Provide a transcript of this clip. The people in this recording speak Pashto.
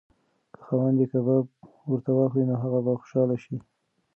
که خاوند یې کباب ورته واخلي نو هغه به خوشحاله شي.